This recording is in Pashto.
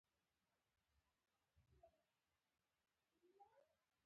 ایا تخفیف شته؟